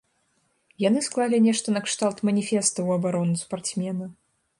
Яны склалі нешта накшталт маніфеста ў абарону спартсмена.